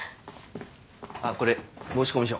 あっこれ申込書。